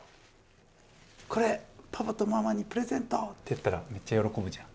これパパとママにプレゼントってやったらめっちゃ喜ぶじゃん。